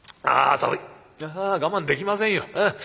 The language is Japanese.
あ我慢できませんよ。